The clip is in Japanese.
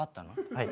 はい。